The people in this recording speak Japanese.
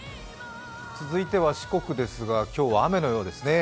続いては四国ですが今日は雨のようですね。